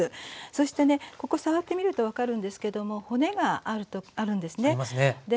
そしてねここ触ってみると分かるんですけども骨があるんですね。ありますね。